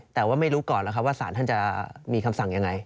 แต่ว่าไม่รู้ก่อนแล้วครับว่าสารท่านจะมีคำสั่งยังไง